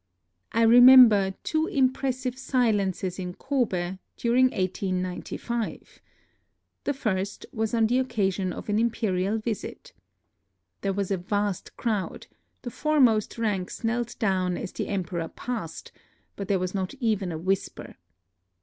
I remember two impressive silences in Kobe during 1895. 70 NOTES OF A TRIP TO KYOTO The first was on the occasion of an imperial visit. There was a vast crowd ; the foremost ranks knelt down as the Emperor passed ; but there was not even a whisper.